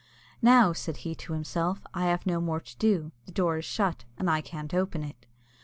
"Now," said he to himself, "I have no more to do; the door is shut, and I can't open it."